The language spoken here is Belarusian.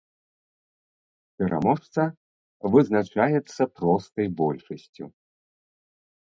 Пераможца вызначаецца простай большасцю.